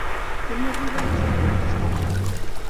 Que no arriba l'estiu aquest any?